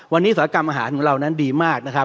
วันนี้ศาลกรรมอาหารของเรานั้นดีมาก